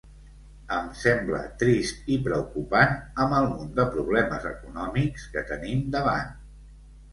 Em sembla trist i preocupant, amb el munt de problemes econòmics que tenim davant.